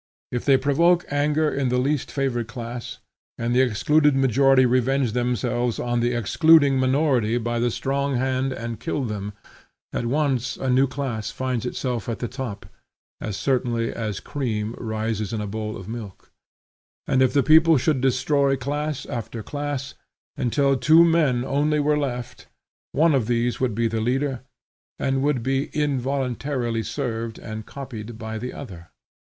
If they provoke anger in the least favored class, and the excluded majority revenge themselves on the excluding minority by the strong hand and kill them, at once a new class finds itself at the top, as certainly as cream rises in a bowl of milk: and if the people should destroy class after class, until two men only were left, one of these would be the leader and would be involuntarily served and copied by the other.